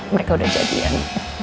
mereka udah jadian